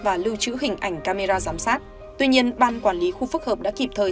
và lưu trữ hình ảnh camera giám sát tuy nhiên ban quản lý khu phức hợp đã kịp thời